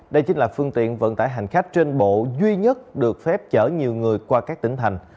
đây chính là phương tiện vận tải hành khách trên bộ duy nhất được phép chở nhiều người qua các tỉnh thành